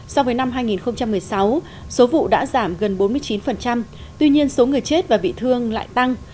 so với năm hai nghìn một mươi sáu số vụ đã giảm gần bốn mươi chín tuy nhiên số người chết và bị thương lại tăng